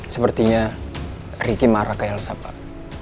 sepertinya riki marah ke elsa pak